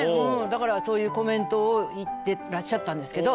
だからそういうコメントを言ってらっしゃったんですけど。